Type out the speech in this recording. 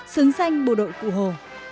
xứng danh bộ đội cụ hồ